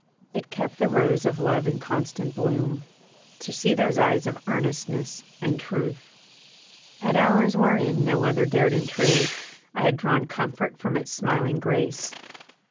It kept the rose of love in constant bloom To see those eyes of earnestness and truth. At hours wherein no other dared intrude, I had drawn comfort from its smiling grace.